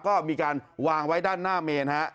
ก็มีการวางไว้ด้านหน้าเมนฮะ